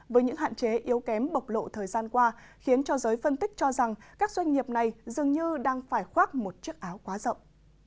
với những hạn chế yếu kém bộc lộ thời gian qua khiến cho giới phân tích cho rằng các doanh nghiệp này dường như đang phải khoác một chiếc áo quá rộng